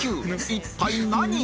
一体何が？